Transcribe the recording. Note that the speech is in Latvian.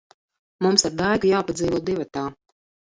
Mums ar Daigu jāpadzīvo divatā.